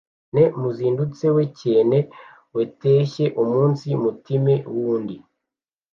nte muzindutsi we cyene weteshye umunsi mutime w’undi